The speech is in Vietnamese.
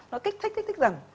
nó kích thích kích thích dần